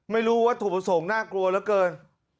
ไม่รู้วัตถุประสงค์น่ากลัวเหลือเกิน